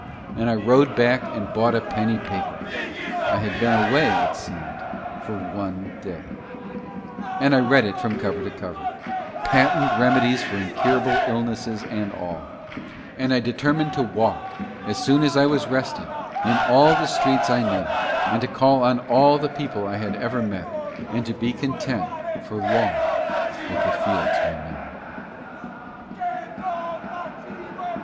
And I rowed back and bought a penny paper, (I had been away it seemed for one day) and I read it from cover to cover patent remedies for incurable illnesses and all and I determined to walk, as soon as I was rested, in all the streets that I knew and to call on all the people that I had ever met, and to be content for long with the fields we know.